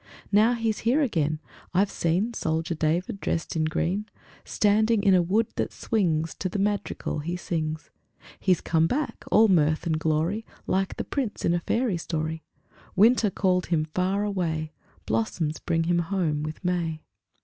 Now he's here again; I've seen Soldier David dressed in green, Standing in a wood that swings To the madrigal he sings. He's come back, all mirth and glory, Like the prince in a fairy story. Winter called him far away; Blossoms bring him home with May.